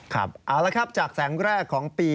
ครับเอาละครับจากแสงแรกของปี